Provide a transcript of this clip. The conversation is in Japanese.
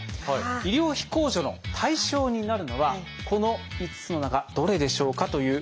医療費控除の対象になるのはこの５つの中どれでしょうかという問題です。